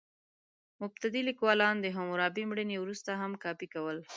مبتدي لیکوالان د حموربي مړینې وروسته هم کاپي کول.